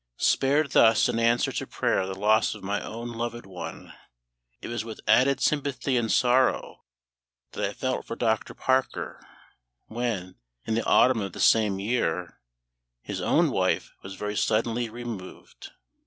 Spared thus in answer to prayer the loss of my own loved one, it was with added sympathy and sorrow that I felt for Dr. Parker, when, in the autumn of the same year, his own wife was very suddenly removed.